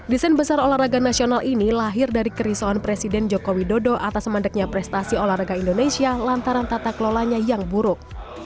desain besar olahraga nasional ini lahir dari kerisauan president jokowi dodo atas mendeknya prestasi olahraga indonesia lantaran takthe kleriniang yang buruk